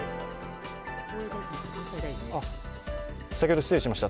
先ほど失礼しました。